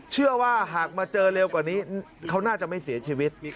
เชื่อว่าหากมาเจอเร็วกว่านี้เขาน่าจะไม่เสียชีวิต